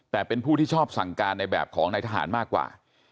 แต่เป็นผู้ที่ชอบสั่งการในแบบของนายทหารมากกว่า